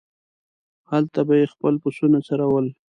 هلته به یې خپل پسونه څرول.